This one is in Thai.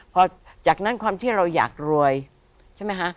พอจากนั้นความที่เราอยากรวยใช่ไหมคะ